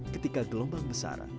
ketika gelombang besar